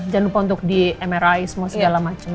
jangan lupa untuk di mri semua segala macam